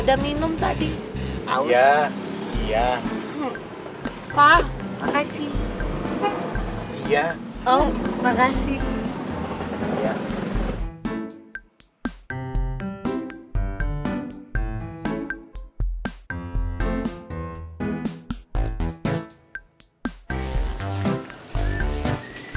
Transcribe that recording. sampai jumpa di video selanjutnya